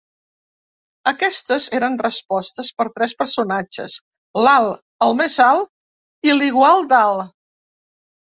Aquestes eren respostes per tres personatges: l'alt, el més alt i l'igual d'alt.